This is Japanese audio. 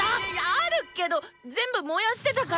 あるけどっ全部燃やしてたから！